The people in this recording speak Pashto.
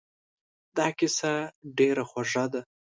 دا کیسه ډېره خوږه ده.